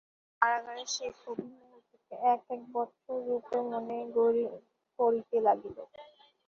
কারাগারের সেই প্রতিমুহূর্তকে এক-এক বৎসর রূপে মনে পড়িতে লাগিল।